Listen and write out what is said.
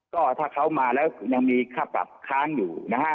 ก็ถ้าเขามาแล้วยังมีค่าปรับค้างอยู่นะฮะ